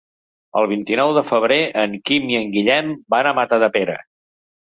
El vint-i-nou de febrer en Quim i en Guillem van a Matadepera.